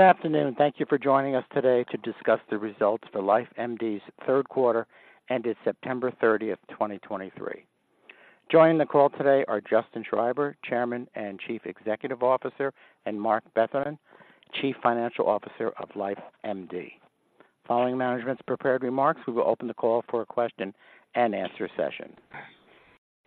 Good afternoon, and thank you for joining us today to discuss the Results for LifeMD's Third Quarter, ended September 30, 2023. Joining the call today are Justin Schreiber, Chairman and Chief Executive Officer, and Marc Benathen, Chief Financial Officer of LifeMD. Following management's prepared remarks, we will open the call for a question and answer session.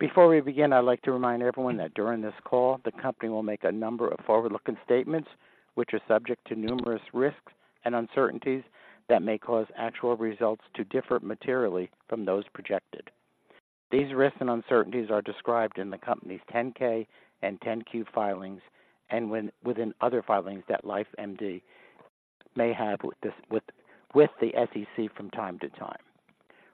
Before we begin, I'd like to remind everyone that during this call, the company will make a number of forward-looking statements, which are subject to numerous risks and uncertainties that may cause actual results to differ materially from those projected. These risks and uncertainties are described in the Company's 10-K and 10-Q filings and within other filings that LifeMD may have with the SEC from time to time.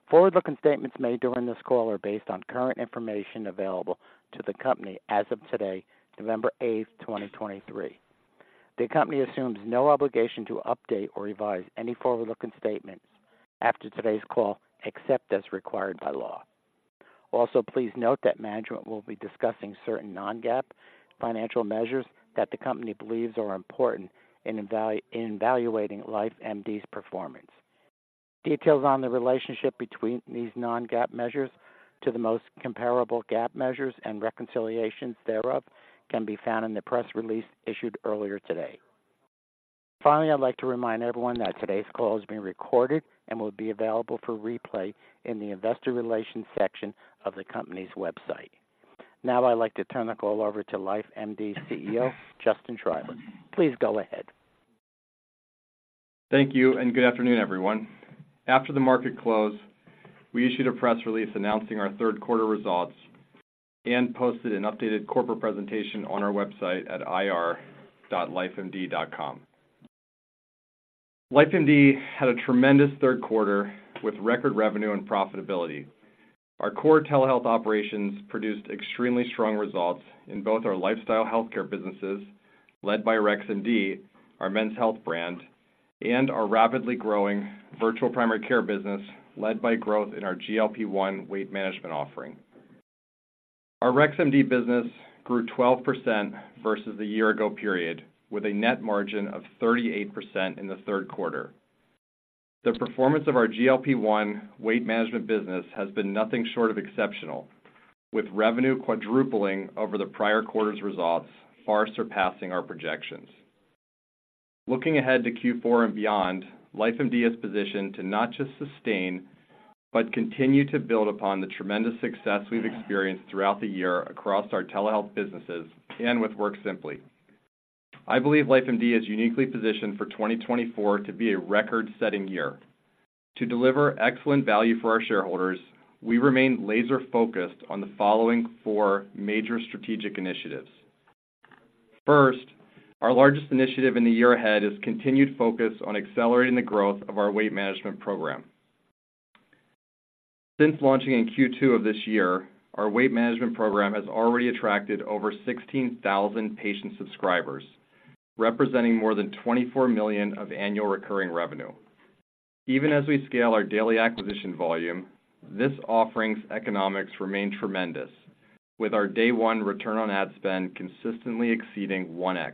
Forward-looking statements made during this call are based on current information available to the company as of today, November 8, 2023. The company assumes no obligation to update or revise any forward-looking statements after today's call, except as required by law. Also, please note that management will be discussing certain non-GAAP financial measures that the company believes are important in evaluating LifeMD's performance. Details on the relationship between these non-GAAP measures to the most comparable GAAP measures and reconciliations thereof can be found in the press release issued earlier today. Finally, I'd like to remind everyone that today's call is being recorded and will be available for replay in the investor relations section of the company's website. Now, I'd like to turn the call over to LifeMD CEO, Justin Schreiber. Please go ahead. Thank you, and good afternoon, everyone. After the market close, we issued a press release announcing our third quarter results and posted an updated corporate presentation on our website at ir.lifemd.com. LifeMD had a tremendous third quarter with record revenue and profitability. Our core telehealth operations produced extremely strong results in both our lifestyle healthcare businesses, led by Rex MD, our men's health brand, and our rapidly growing virtual primary care business, led by growth in our GLP-1 weight management offering. Our Rex MD business grew 12% versus the year-ago period, with a net margin of 38% in the third quarter. The performance of our GLP-1 weight management business has been nothing short of exceptional, with revenue quadrupling over the prior quarter's results, far surpassing our projections. Looking ahead to Q4 and beyond, LifeMD is positioned to not just sustain, but continue to build upon the tremendous success we've experienced throughout the year across our telehealth businesses and with WorkSimpli. I believe LifeMD is uniquely positioned for 2024 to be a record-setting year. To deliver excellent value for our shareholders, we remain laser-focused on the following four major strategic initiatives. First, our largest initiative in the year ahead is continued focus on accelerating the growth of our weight management program. Since launching in Q2 of this year, our weight management program has already attracted over 16,000 patient subscribers, representing more than $24 million of annual recurring revenue. Even as we scale our daily acquisition volume, this offering's economics remain tremendous, with our day one return on ad spend consistently exceeding 1x.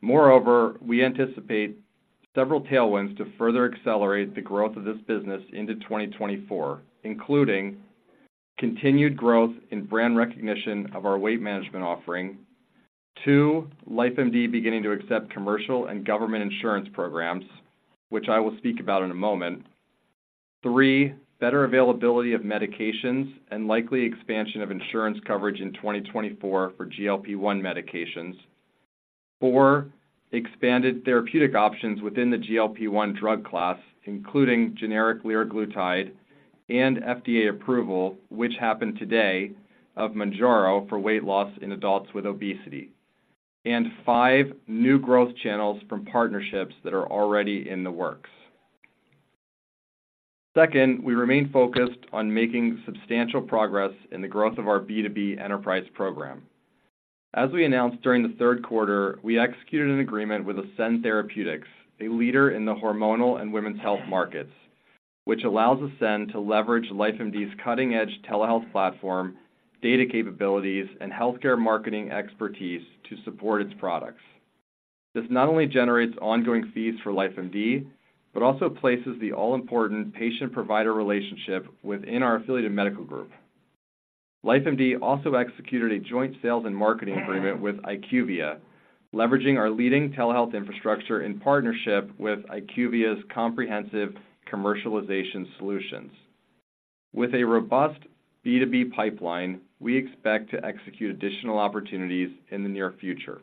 Moreover, we anticipate several tailwinds to further accelerate the growth of this business into 2024, including: continued growth in brand recognition of our weight management offering. 2, LifeMD beginning to accept commercial and government insurance programs, which I will speak about in a moment. 3, better availability of medications and likely expansion of insurance coverage in 2024 for GLP-1 medications. 4, expanded therapeutic options within the GLP-1 drug class, including generic liraglutide and FDA approval, which happened today, of Mounjaro for weight loss in adults with obesity. And 5, new growth channels from partnerships that are already in the works. Second, we remain focused on making substantial progress in the growth of our B2B enterprise program. As we announced during the third quarter, we executed an agreement with Ascend Therapeutics, a leader in the hormonal and women's health markets, which allows Ascend to leverage LifeMD's cutting-edge telehealth platform, data capabilities, and healthcare marketing expertise to support its products. This not only generates ongoing fees for LifeMD, but also places the all-important patient-provider relationship within our affiliated medical group. LifeMD also executed a joint sales and marketing agreement with IQVIA, leveraging our leading telehealth infrastructure in partnership with IQVIA's comprehensive commercialization solutions. With a robust B2B pipeline, we expect to execute additional opportunities in the near future.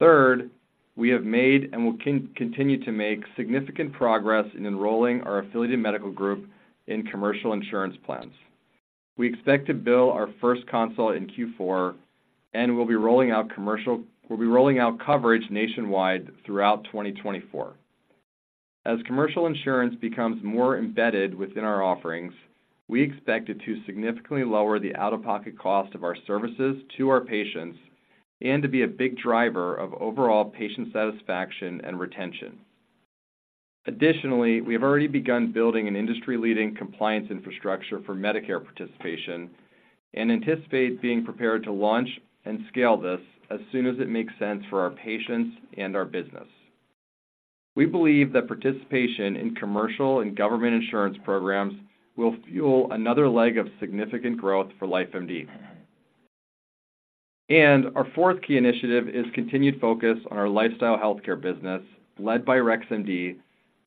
Third, we have made and will continue to make significant progress in enrolling our affiliated medical group in commercial insurance plans. We expect to bill our first consult in Q4, and we'll be rolling out coverage nationwide throughout 2024. As commercial insurance becomes more embedded within our offerings, we expect it to significantly lower the out-of-pocket cost of our services to our patients and to be a big driver of overall patient satisfaction and retention. Additionally, we have already begun building an industry-leading compliance infrastructure for Medicare participation and anticipate being prepared to launch and scale this as soon as it makes sense for our patients and our business. We believe that participation in commercial and government insurance programs will fuel another leg of significant growth for LifeMD. And our fourth key initiative is continued focus on our lifestyle healthcare business, led by Rex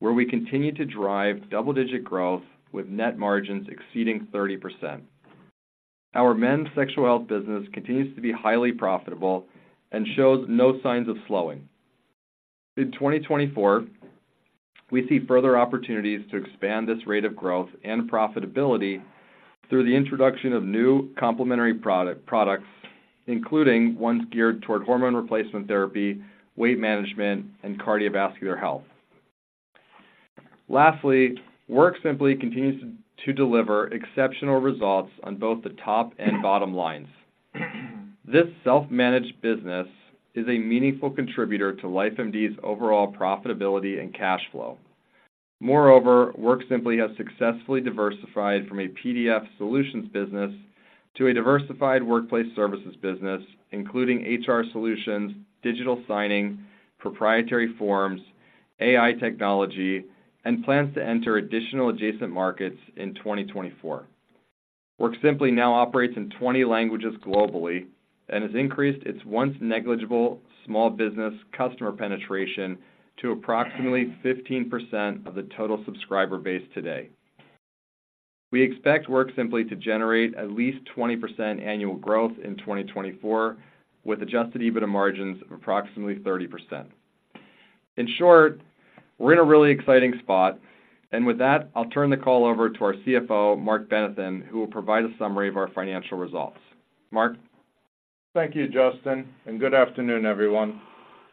MD, where we continue to drive double-digit growth with net margins exceeding 30%. Our men's sexual health business continues to be highly profitable and shows no signs of slowing. In 2024, we see further opportunities to expand this rate of growth and profitability through the introduction of new complementary product, products, including ones geared toward hormone replacement therapy, weight management, and cardiovascular health. Lastly, WorkSimpli continues to deliver exceptional results on both the top and bottom lines. This self-managed business is a meaningful contributor to LifeMD's overall profitability and cash flow. Moreover, WorkSimpli has successfully diversified from a PDF solutions business to a diversified workplace services business, including HR solutions, digital signing, proprietary forms, AI technology, and plans to enter additional adjacent markets in 2024. WorkSimpli now operates in 20 languages globally and has increased its once negligible small business customer penetration to approximately 15% of the total subscriber base today. We expect WorkSimpli to generate at least 20% annual growth in 2024, with Adjusted EBITDA margins of approximately 30%. In short, we're in a really exciting spot, and with that, I'll turn the call over to our CFO, Marc Benathen, who will provide a summary of our financial results. Marc? Thank you, Justin, and good afternoon, everyone.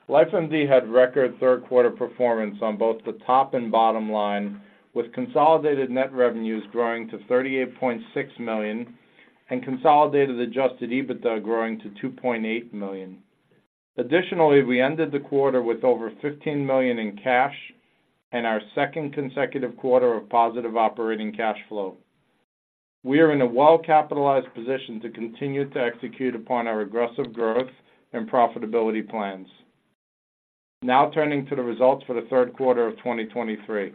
LifeMD had record third quarter performance on both the top and bottom line, with consolidated net revenues growing to $38.6 million and consolidated Adjusted EBITDA growing to $2.8 million. Additionally, we ended the quarter with over $15 million in cash and our second consecutive quarter of positive operating cash flow. We are in a well-capitalized position to continue to execute upon our aggressive growth and profitability plans. Now turning to the results for the third quarter of 2023.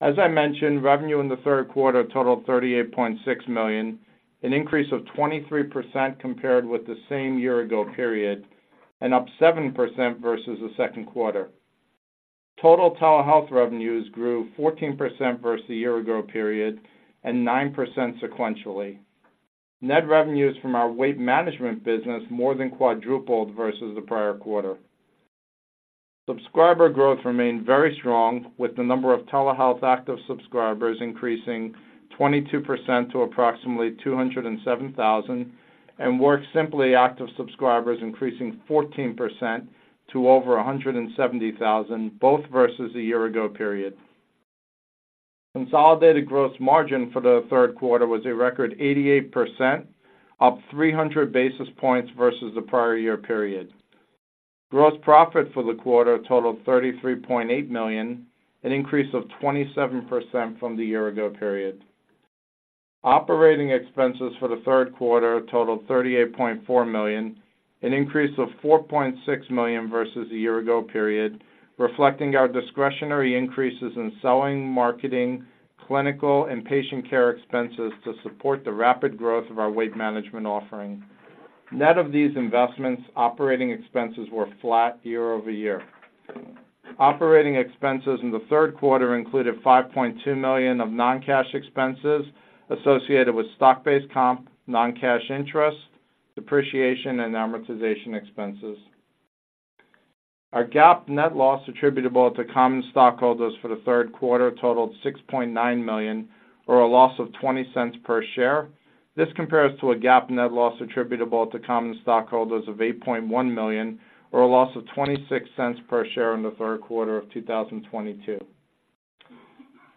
As I mentioned, revenue in the third quarter totaled $38.6 million, an increase of 23% compared with the same year-ago period and up 7% versus the second quarter. Total telehealth revenues grew 14% versus the year-ago period and 9% sequentially. Net revenues from our weight management business more than quadrupled versus the prior quarter. Subscriber growth remained very strong, with the number of telehealth active subscribers increasing 22% to approximately 207,000, and WorkSimpli active subscribers increasing 14% to over 170,000, both versus a year-ago period. Consolidated gross margin for the third quarter was a record 88%, up 300 basis points versus the prior year period. Gross profit for the quarter totaled $33.8 million, an increase of 27% from the year-ago period. Operating expenses for the third quarter totaled $38.4 million, an increase of $4.6 million versus the year-ago period, reflecting our discretionary increases in selling, marketing, clinical, and patient care expenses to support the rapid growth of our weight management offering. Net of these investments, operating expenses were flat year-over-year. Operating expenses in the third quarter included $5.2 million of non-cash expenses associated with stock-based comp, non-cash interest, depreciation, and amortization expenses. Our GAAP net loss attributable to common stockholders for the third quarter totaled $6.9 million, or a loss of $0.20 per share. This compares to a GAAP net loss attributable to common stockholders of $8.1 million, or a loss of $0.26 per share in the third quarter of 2022.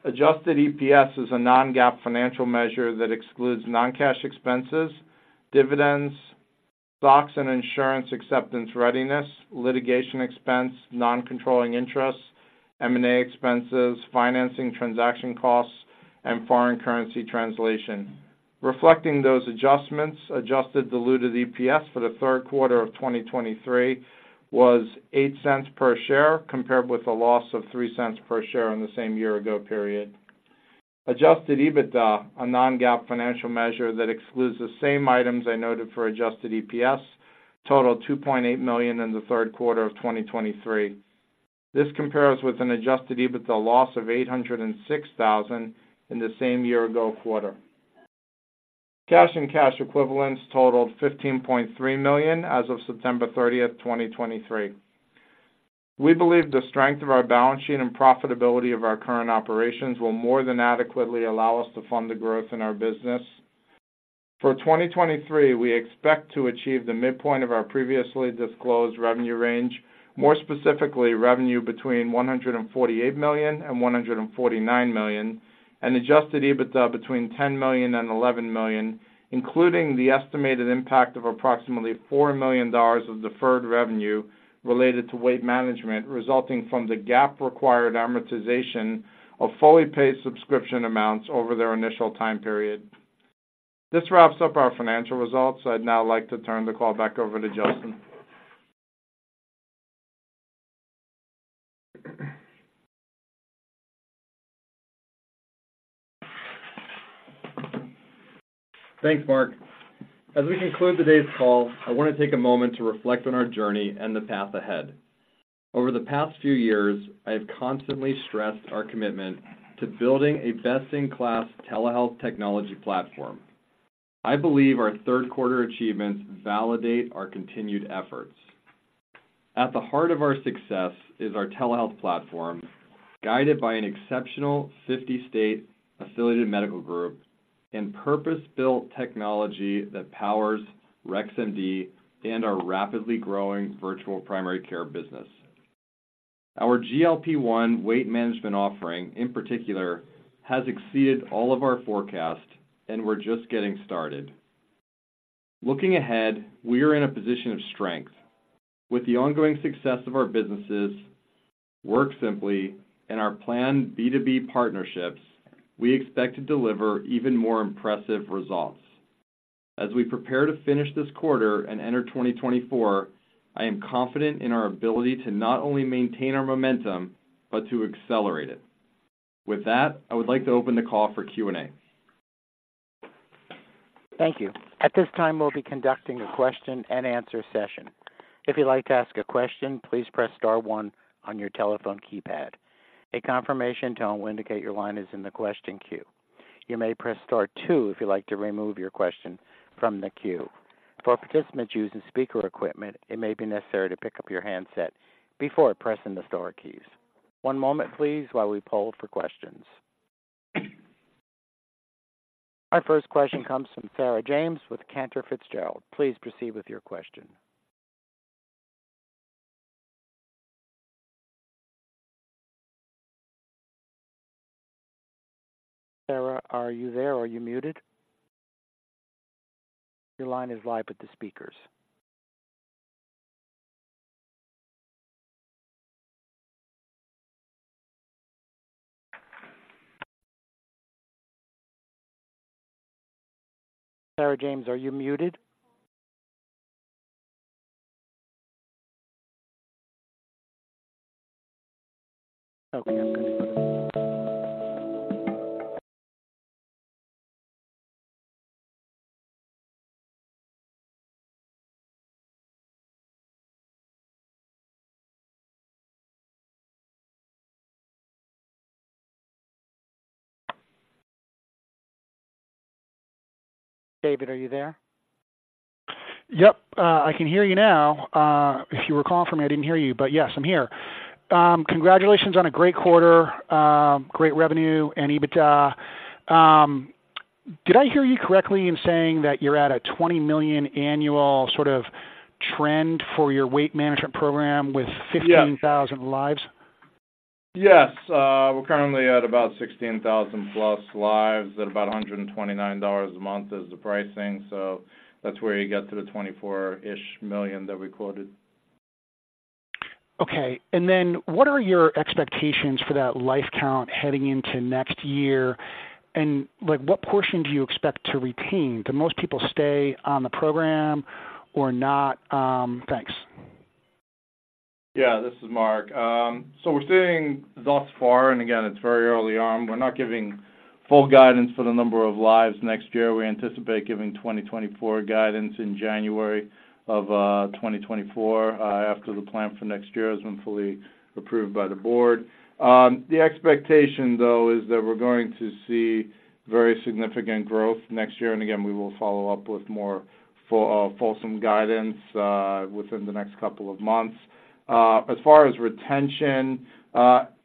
Adjusted EPS is a non-GAAP financial measure that excludes non-cash expenses, dividends, stocks, and insurance acceptance readiness, litigation expense, non-controlling interests, M&A expenses, financing transaction costs, and foreign currency translation. Reflecting those adjustments, Adjusted Diluted EPS for the third quarter of 2023 was $0.08 per share, compared with a loss of $0.03 per share in the same year-ago period. Adjusted EBITDA, a non-GAAP financial measure that excludes the same items I noted for Adjusted EPS, totaled $2.8 million in the third quarter of 2023. This compares with an Adjusted EBITDA loss of $806,000 in the same year-ago quarter. Cash and cash equivalents totaled $15.3 million as of September 30, 2023. We believe the strength of our balance sheet and profitability of our current operations will more than adequately allow us to fund the growth in our business. For 2023, we expect to achieve the midpoint of our previously disclosed revenue range, more specifically, revenue between $148 million and $149 million, and Adjusted EBITDA between $10 million and $11 million, including the estimated impact of approximately $4 million of deferred revenue related to weight management, resulting from the GAAP-required amortization of fully paid subscription amounts over their initial time period. This wraps up our financial results. I'd now like to turn the call back over to Justin. Thanks, Marc. As we conclude today's call, I want to take a moment to reflect on our journey and the path ahead. Over the past few years, I have constantly stressed our commitment to building a best-in-class telehealth technology platform. I believe our third quarter achievements validate our continued efforts. At the heart of our success is our telehealth platform, guided by an exceptional 50-state affiliated medical group and purpose-built technology that powers Rex MD and our rapidly growing virtual primary care business. Our GLP-1 weight management offering, in particular, has exceeded all of our forecasts, and we're just getting started. Looking ahead, we are in a position of strength. With the ongoing success of our businesses, WorkSimpli, and our planned B2B partnerships, we expect to deliver even more impressive results. As we prepare to finish this quarter and enter 2024, I am confident in our ability to not only maintain our momentum, but to accelerate it. With that, I would like to open the call for Q&A. Thank you. At this time, we'll be conducting a question-and-answer session. If you'd like to ask a question, please press star one on your telephone keypad. A confirmation tone will indicate your line is in the question queue. You may press star two if you'd like to remove your question from the queue. For participants using speaker equipment, it may be necessary to pick up your handset before pressing the star keys. One moment, please, while we poll for questions. Our first question comes from Sarah James with Cantor Fitzgerald. Please proceed with your question. Sarah, are you there? Are you muted? Your line is live with the speakers. Sarah James, are you muted? Okay, I'm going to David, are you there? Yep, I can hear you now. If you were calling for me, I didn't hear you, but yes, I'm here. Congratulations on a great quarter, great revenue and EBITDA. Did I hear you correctly in saying that you're at a $20 million annual sort of trend for your weight management program with. Yes. 16,000 lives? Yes. We're currently at about 16,000+ lives at about $129 a month is the pricing. So that's where you get to the $24-ish million that we quoted. Okay. And then what are your expectations for that life count heading into next year? And like, what portion do you expect to retain? Do most people stay on the program or not? Thanks. Yeah, this is Marc. So we're seeing thus far, and again, it's very early on, we're not giving full guidance for the number of lives next year. We anticipate giving 2024 guidance in January of 2024 after the plan for next year has been fully approved by the board. The expectation, though, is that we're going to see very significant growth next year, and again, we will follow up with more full guidance within the next couple of months. As far as retention,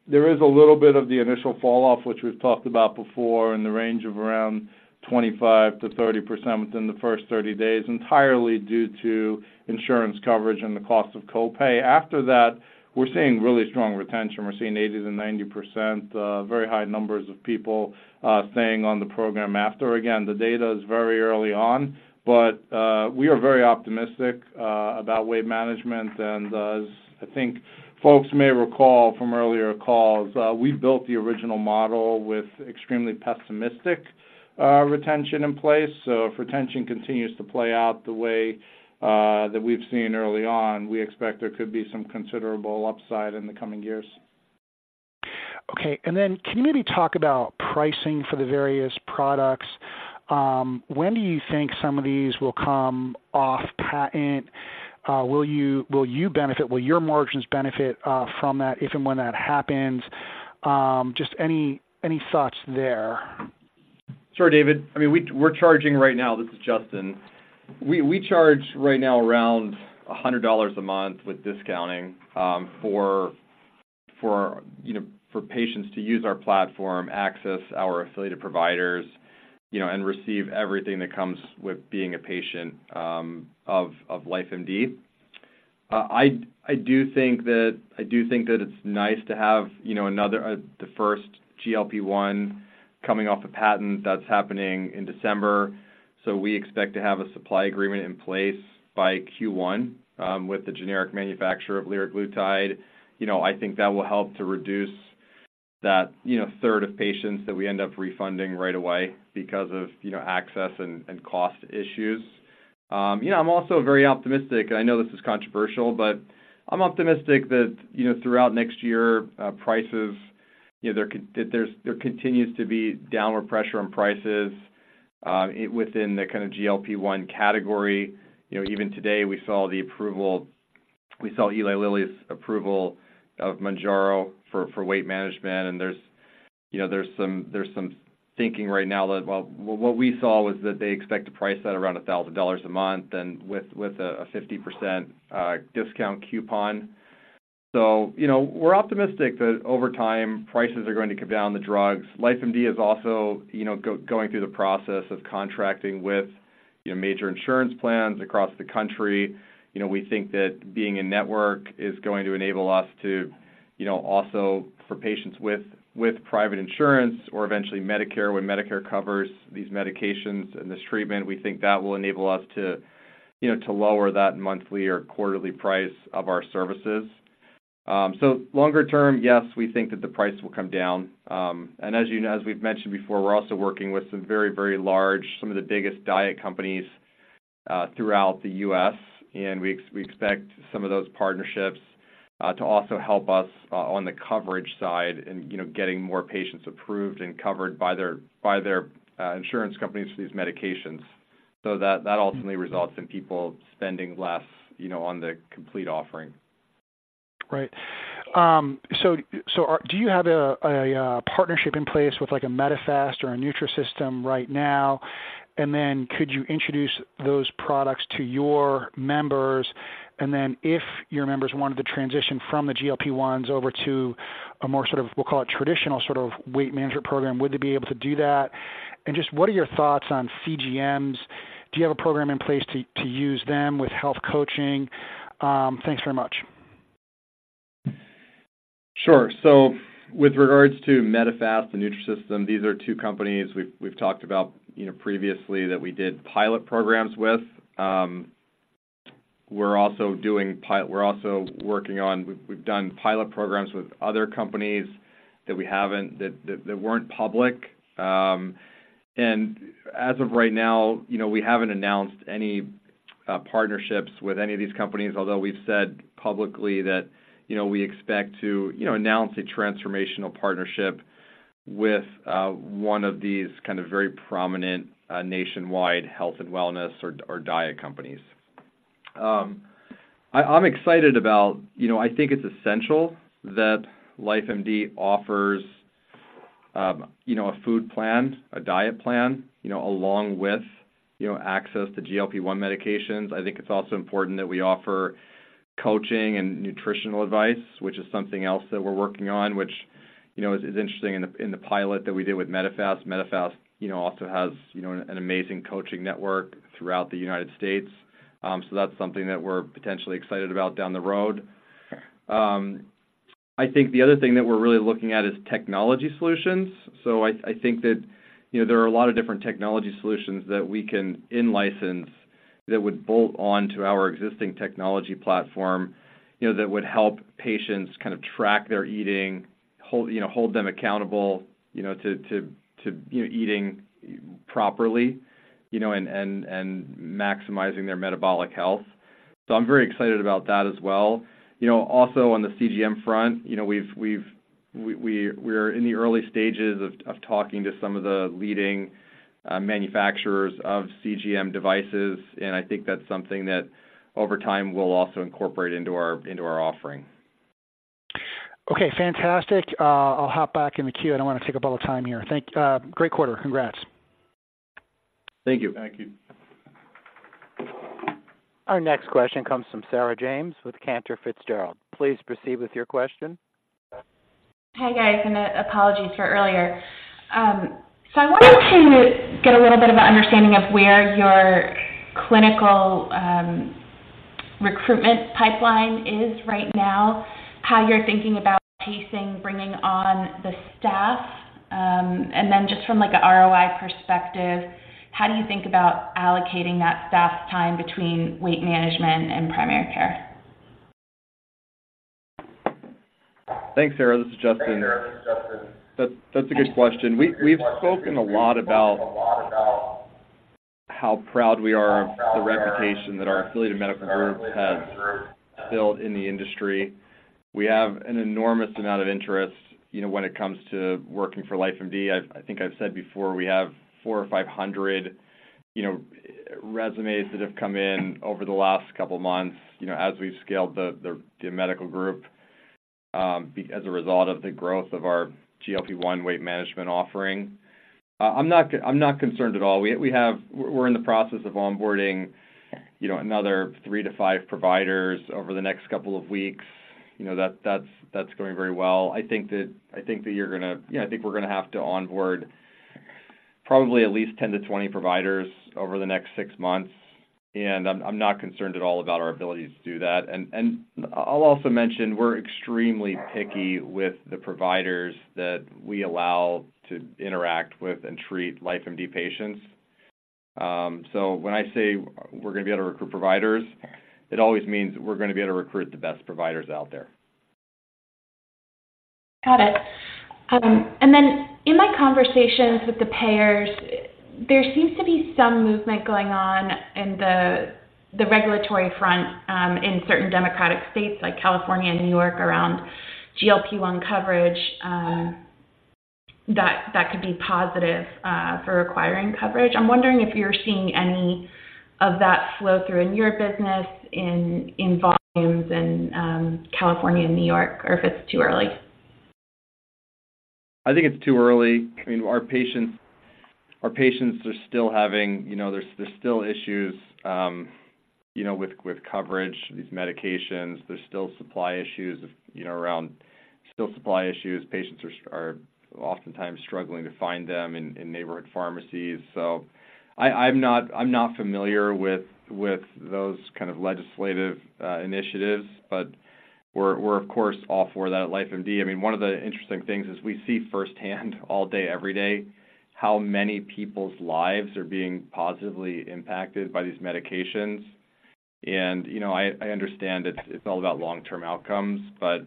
there is a little bit of the initial falloff, which we've talked about before, in the range of around 25%-30% within the first 30 days, entirely due to insurance coverage and the cost of copay. After that, we're seeing really strong retention. We're seeing 80%-90%, very high numbers of people, staying on the program after. Again, the data is very early on, but, we are very optimistic, about weight management. And as I think folks may recall from earlier calls, we built the original model with extremely pessimistic, retention in place. So if retention continues to play out the way, that we've seen early on, we expect there could be some considerable upside in the coming years. Okay, and then can you maybe talk about pricing for the various products? When do you think some of these will come off patent? Will you, will you benefit - will your margins benefit from that, if and when that happens? Just any thoughts there? Sure, David. I mean, we're charging right now. This is Justin. We charge right now around $100 a month with discounting, for you know, for patients to use our platform, access our affiliated providers, you know, and receive everything that comes with being a patient of LifeMD. I do think that it's nice to have, you know, another, the first GLP-1 coming off a patent that's happening in December. So we expect to have a supply agreement in place by Q1 with the generic manufacturer of liraglutide. You know, I think that will help to reduce that third of patients that we end up refunding right away because of, you know, access and cost issues. You know, I'm also very optimistic, and I know this is controversial, but I'm optimistic that, you know, throughout next year, prices, you know, that there's, there continues to be downward pressure on prices, within the kind of GLP-1 category. You know, even today we saw the approval. We saw Eli Lilly's approval of Mounjaro for weight management. And there's, you know, there's some thinking right now that. Well, what we saw was that they expect to price that around $1,000 a month and with a 50% discount coupon. So, you know, we're optimistic that over time, prices are going to come down the drugs. LifeMD is also, you know, going through the process of contracting with major insurance plans across the country. You know, we think that being a network is going to enable us to, you know, also for patients with private insurance or eventually Medicare, when Medicare covers these medications and this treatment, we think that will enable us to, you know, to lower that monthly or quarterly price of our services. So longer term, yes, we think that the price will come down. And as you know, as we've mentioned before, we're also working with some very, very large, some of the biggest diet companies throughout the U.S., and we expect some of those partnerships to also help us on the coverage side and, you know, getting more patients approved and covered by their insurance companies for these medications. So that ultimately results in people spending less, you know, on the complete offering. Right. So are. Do you have a partnership in place with, like, a Medifast or a Nutrisystem right now? And then could you introduce those products to your members? And then if your members wanted to transition from the GLP-1s over to a more sort of, we'll call it, traditional sort of weight management program, would they be able to do that? And just what are your thoughts on CGMs? Do you have a program in place to use them with health coaching? Thanks very much. Sure. So with regards to Medifast and Nutrisystem, these are two companies we've talked about, you know, previously that we did pilot programs with. We're also working on, we've done pilot programs with other companies that we haven't that weren't public. And as of right now, you know, we haven't announced any partnerships with any of these companies, although we've said publicly that, you know, we expect to, you know, announce a transformational partnership with one of these kind of very prominent nationwide health and wellness or diet companies. I'm excited about, you know, I think it's essential that LifeMD offers, you know, a food plan, a diet plan, you know, along with, you know, access to GLP-1 medications. I think it's also important that we offer coaching and nutritional advice, which is something else that we're working on, which, you know, is interesting in the pilot that we did with Medifast. Medifast, you know, also has, you know, an amazing coaching network throughout the United States. So that's something that we're potentially excited about down the road. I think the other thing that we're really looking at is technology solutions. So I think that, you know, there are a lot of different technology solutions that we can in-license that would bolt on to our existing technology platform, you know, that would help patients kind of track their eating, hold them accountable, you know, to eating properly, you know, and maximizing their metabolic health. So I'm very excited about that as well. You know, also on the CGM front, you know, we're in the early stages of talking to some of the leading manufacturers of CGM devices, and I think that's something that over time, we'll also incorporate into our offering. Okay, fantastic. I'll hop back in the queue. I don't want to take up all the time here. Thanks, great quarter. Congrats. Thank you. Thank you. Our next question comes from Sarah James with Cantor Fitzgerald. Please proceed with your question. Hi, guys, and apologies for earlier. So I wanted to get a little bit of an understanding of where your clinical recruitment pipeline is right now, how you're thinking about pacing, bringing on the staff, and then just from, like, a ROI perspective, how do you think about allocating that staff's time between weight management and primary care? Thanks, Sarah. This is Justin. That's a good question. We've spoken a lot about how proud we are of the reputation that our affiliated medical group has built in the industry. We have an enormous amount of interest, you know, when it comes to working for LifeMD. I think I've said before, we have 400-500, you know, resumes that have come in over the last couple of months, you know, as we've scaled the medical group as a result of the growth of our GLP-1 weight management offering. I'm not concerned at all. We have-- We're in the process of onboarding, you know, another three-five providers over the next couple of weeks. You know, that's going very well. I think that you're gonna. Yeah, I think we're gonna have to onboard probably at least 10-20 providers over the next six months, and I'm not concerned at all about our ability to do that. And I'll also mention we're extremely picky with the providers that we allow to interact with and treat LifeMD patients. So when I say we're gonna be able to recruit providers, it always means we're gonna be able to recruit the best providers out there. Got it. And then in my conversations with the payers, there seems to be some movement going on in the regulatory front, in certain democratic states like California and New York, around GLP-1 coverage, that could be positive for acquiring coverage. I'm wondering if you're seeing any of that flow through in your business, in volumes in California and New York, or if it's too early? I think it's too early. I mean, our patients are still having, you know, there's still issues with coverage, these medications. There's still supply issues, you know, around supply issues. Patients are oftentimes struggling to find them in neighborhood pharmacies. So I, I'm not familiar with those kind of legislative initiatives, but we're of course all for that at LifeMD. I mean, one of the interesting things is we see firsthand, all day, every day, how many people's lives are being positively impacted by these medications. You know, I understand it's all about long-term outcomes, but,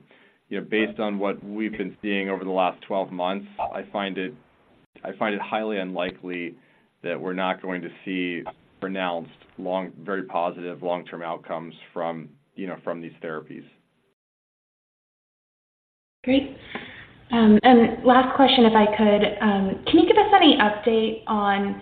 you know, based on what we've been seeing over the last 12 months, I find it highly unlikely that we're not going to see pronounced, long, very positive long-term outcomes from, you know, these therapies. Great. And last question, if I could. Can you give us any update on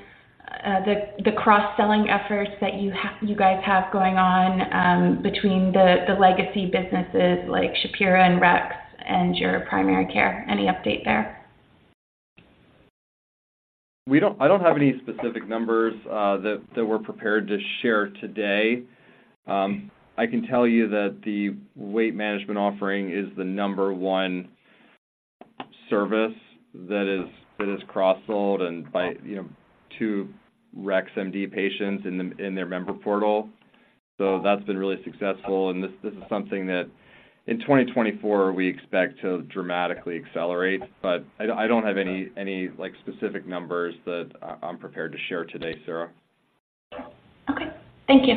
the cross-selling efforts that you guys have going on between the legacy businesses like Shapiro and Rex and your primary care? Any update there? I don't have any specific numbers that we're prepared to share today. I can tell you that the weight management offering is the number one service that is cross-sold to, you know, Rex MD patients in their member portal. So that's been really successful, and this is something that in 2024, we expect to dramatically accelerate, but I don't have any like specific numbers that I'm prepared to share today, Sarah. Okay. Thank you.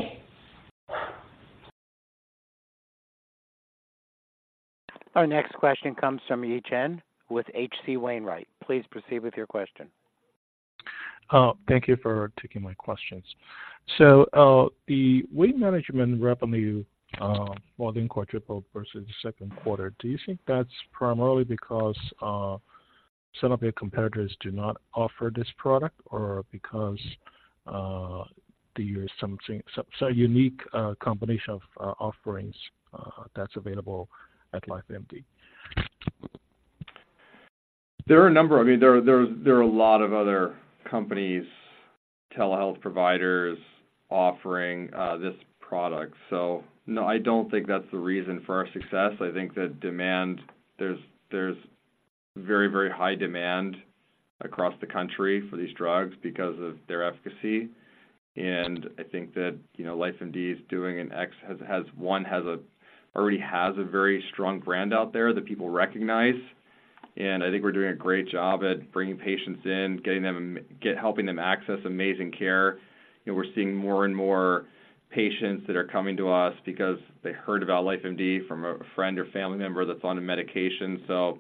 Our next question comes from Yi Chen with H.C. Wainwright. Please proceed with your question. Thank you for taking my questions. The weight management revenue more than quadrupled versus the second quarter. Do you think that's primarily because some of your competitors do not offer this product or because there is something, some unique combination of offerings that's available at LifeMD? There are a number of, I mean, there are a lot of other companies, telehealth providers, offering this product. So no, I don't think that's the reason for our success. I think that demand, there's very, very high demand across the country for these drugs because of their efficacy. And I think that, you know, LifeMD already has a very strong brand out there that people recognize, and I think we're doing a great job at bringing patients in, helping them access amazing care. We're seeing more and more patients that are coming to us because they heard about LifeMD from a friend or family member that's on a medication. So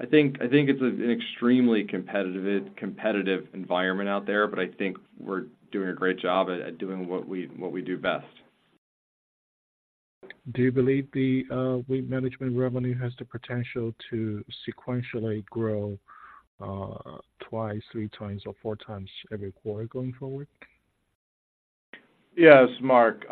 I think it's an extremely competitive environment out there, but I think we're doing a great job at doing what we do best. Do you believe the weight management revenue has the potential to sequentially grow twice, three times, or four times every quarter going forward? Yes. Marc.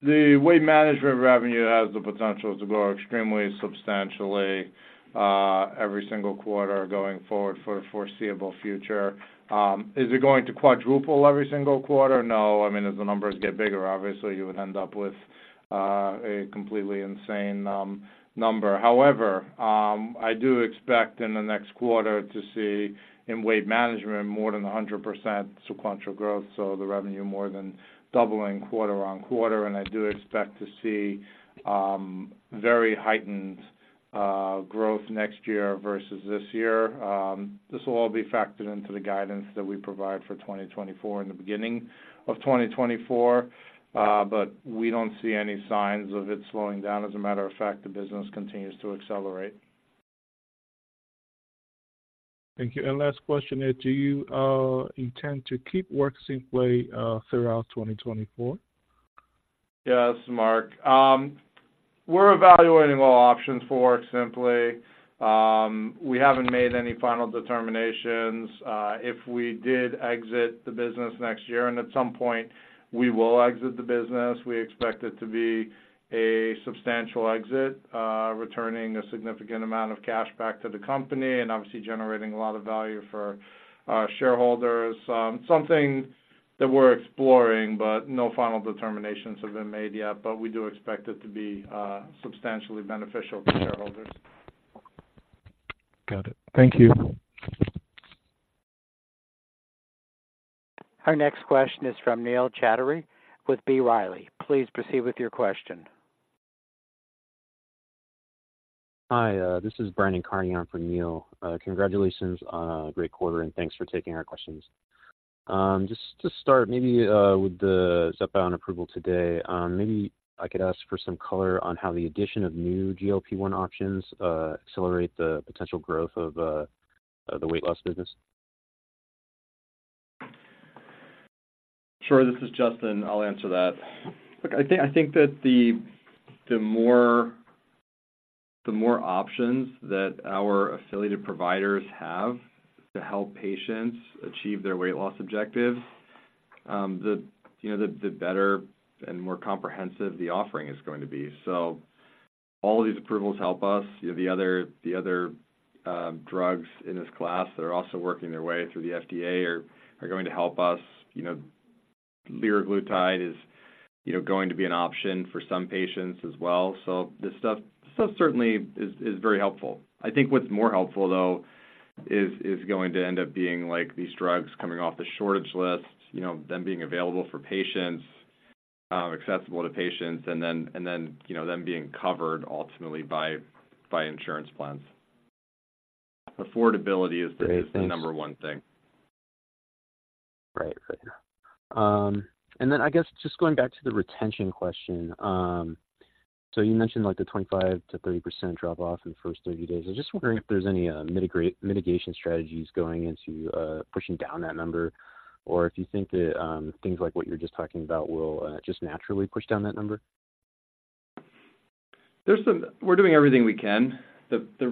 The weight management revenue has the potential to grow extremely substantially every single quarter going forward for the foreseeable future. Is it going to quadruple every single quarter? No. I mean, as the numbers get bigger, obviously you would end up with a completely insane number. However, I do expect in the next quarter to see in weight management more than 100% sequential growth, so the revenue more than doubling quarter on quarter. And I do expect to see very heightened growth next year versus this year. This will all be factored into the guidance that we provide for 2024, in the beginning of 2024, but we don't see any signs of it slowing down. As a matter of fact, the business continues to accelerate. Thank you. Last question is, do you intend to keep WorkSimpli throughout 2024? Yes. Marc. We're evaluating all options for WorkSimpli. We haven't made any final determinations. If we did exit the business next year, and at some point we will exit the business, we expect it to be a substantial exit, returning a significant amount of cash back to the company and obviously generating a lot of value for our shareholders. Something that we're exploring, but no final determinations have been made yet, but we do expect it to be substantially beneficial to shareholders. Got it. Thank you. Our next question is from Neil Chatterji with B. Riley. Please proceed with your question. Hi, this is Brandon Carney on for Neil. Congratulations on a great quarter, and thanks for taking our questions. Just to start, maybe, with the Zepbound approval today, maybe I could ask for some color on how the addition of new GLP-1 options, accelerate the potential growth of, the weight loss business. Sure. This is Justin. I'll answer that. Look, I think that the more options that our affiliated providers have to help patients achieve their weight loss objectives, you know, the better and more comprehensive the offering is going to be. So all of these approvals help us. You know, the other drugs in this class that are also working their way through the FDA are going to help us. You know, liraglutide is going to be an option for some patients as well. So this stuff certainly is very helpful. I think what's more helpful though, is going to end up being like these drugs coming off the shortage list, you know, them being available for patients, accessible to patients, and then, you know, them being covered ultimately by insurance plans. Affordability is. Great, thanks. The number one thing. Right. Right. And then I guess just going back to the retention question, so you mentioned, like, the 25%-30% drop-off in the first 30 days. I'm just wondering if there's any mitigation strategies going into pushing down that number, or if you think that things like what you're just talking about will just naturally push down that number? We're doing everything we can. The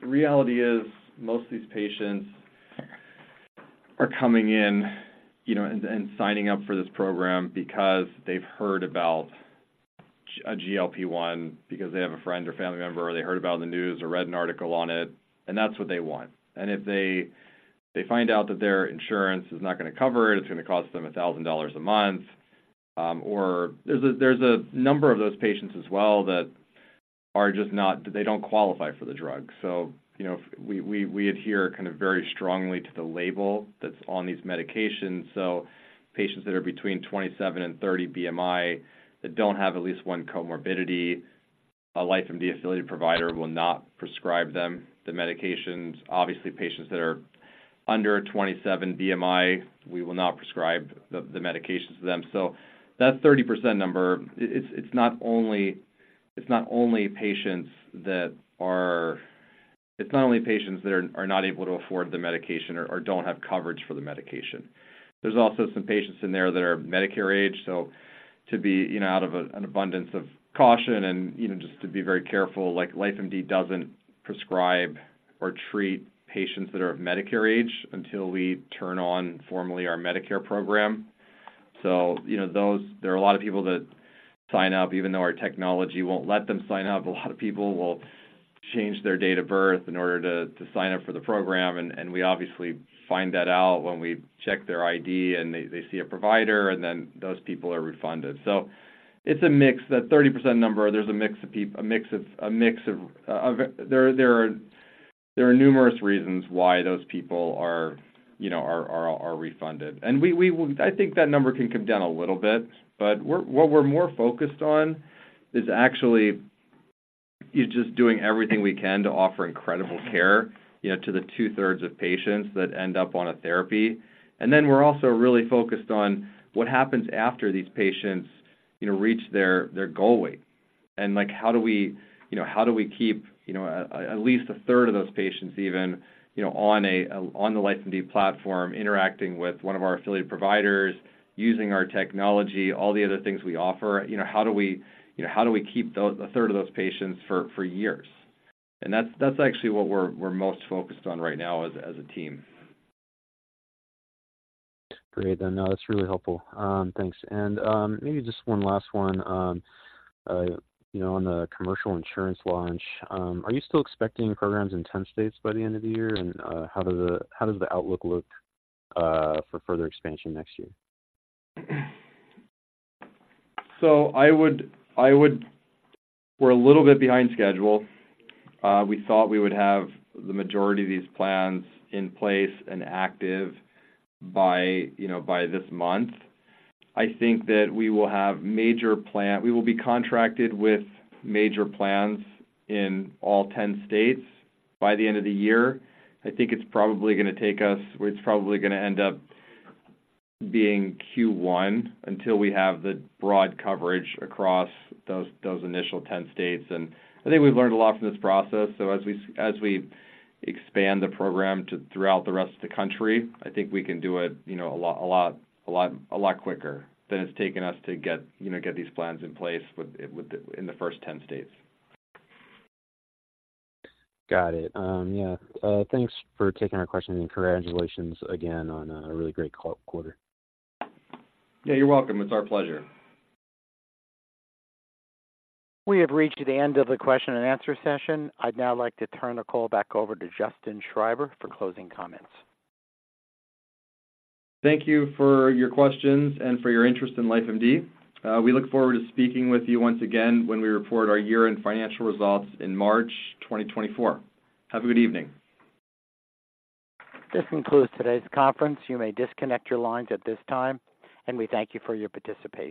reality is most of these patients are coming in, you know, and signing up for this program because they've heard about a GLP-1, because they have a friend or family member, or they heard about it in the news or read an article on it, and that's what they want. And if they find out that their insurance is not gonna cover it, it's gonna cost them $1,000 a month, or there's a number of those patients as well that are just not, they don't qualify for the drug. So, you know, we adhere kind of very strongly to the label that's on these medications. So patients that are between 27-30 BMI, that don't have at least one comorbidity, a LifeMD affiliated provider will not prescribe them the medications. Obviously, patients that are under 27 BMI, we will not prescribe the medications to them. So that 30% number, it's not only patients that are not able to afford the medication or don't have coverage for the medication. There's also some patients in there that are Medicare age. So to be, you know, out of an abundance of caution and, you know, just to be very careful, like, LifeMD doesn't prescribe or treat patients that are of Medicare age until we turn on formally our Medicare program. So, you know, those, there are a lot of people that sign up, even though our technology won't let them sign up. A lot of people will change their date of birth in order to sign up for the program, and we obviously find that out when we check their ID, and they see a provider, and then those people are refunded. So it's a mix. That 30% number, there's a mix of. There are numerous reasons why those people are, you know, refunded. And we will. I think that number can come down a little bit, but we're what we're more focused on is actually just doing everything we can to offer incredible care, you know, to the two-thirds of patients that end up on a therapy. And then we're also really focused on what happens after these patients, you know, reach their goal weight. Like, how do we, you know, how do we keep, you know, at least a third of those patients even, you know, on the LifeMD platform, interacting with one of our affiliated providers, using our technology, all the other things we offer? You know, how do we, you know, how do we keep those, a third of those patients for years? And that's actually what we're most focused on right now as a team. Great. Then that's really helpful. Thanks. And, maybe just one last one. You know, on the commercial insurance launch, are you still expecting programs in 10 states by the end of the year? And, how does the outlook look, for further expansion next year? We're a little bit behind schedule. We thought we would have the majority of these plans in place and active by, you know, by this month. I think that we will have major plans. We will be contracted with major plans in all 10 states by the end of the year. I think it's probably gonna take us; it's probably gonna end up being Q1 until we have the broad coverage across those initial 10 states. And I think we've learned a lot from this process. So as we expand the program throughout the rest of the country, I think we can do it, you know, a lot, a lot, a lot, a lot quicker than it's taken us to get these plans in place in the first 10 states. Got it. Yeah. Thanks for taking our questions, and congratulations again on a really great quarter. Yeah, you're welcome. It's our pleasure. We have reached the end of the question and answer session. I'd now like to turn the call back over to Justin Schreiber for closing comments. Thank you for your questions and for your interest in LifeMD. We look forward to speaking with you once again when we report our year-end financial results in March 2024. Have a good evening. This concludes today's conference. You may disconnect your lines at this time, and we thank you for your participation.